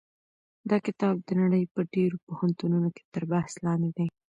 دا کتاب د نړۍ په ډېرو پوهنتونونو کې تر بحث لاندې دی.